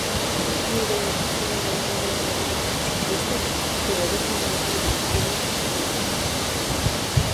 Mire, señora das mareas de Podemos, vostedes cogobernan en Madrid e non fixeron nada.